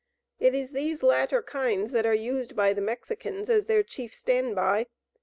It is these latter kinds that are used by the Mexicans as their chief standby.